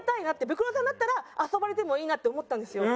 ブクロさんだったら遊ばれてもいいなって思ったんですよ。